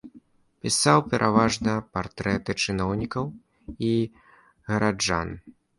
Пісаў пераважна партрэты чыноўнікаў і гараджан.